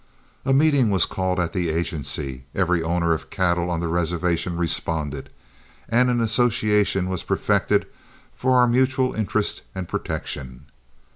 A meeting was called at the agency, every owner of cattle on the reservation responded, and an association was perfected for our mutual interest and protection.